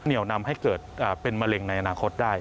เหนียวนำให้เกิดเป็นมะเร็งในอนาคตได้